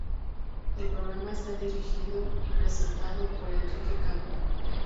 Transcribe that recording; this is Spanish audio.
El programa está dirigido y presentado por Enrique Campo.